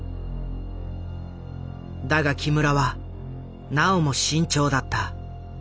だが木村はなおも慎重だった。